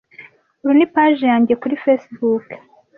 Uru ni page yanjye kuri Facebook.